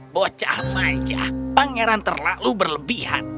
bocah majah pangeran terlalu berlebihan